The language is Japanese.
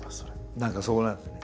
何かそこなんですね。